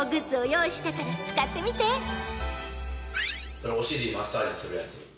それお尻マッサージするやつ。